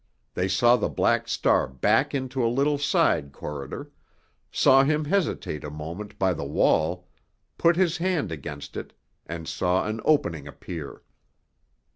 They saw the Black Star back into a little side corridor, saw him hesitate a moment by the wall, put his hand against it, and saw an opening appear.